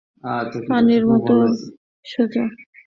পানির মতো সোজা।